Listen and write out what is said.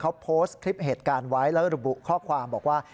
เขาโพสต์คลิปเหตุการณ์ไว้แล้วระบุข้อความบอกว่า